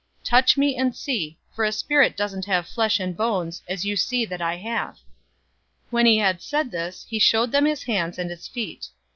Touch me and see, for a spirit doesn't have flesh and bones, as you see that I have." 024:040 When he had said this, he showed them his hands and his feet.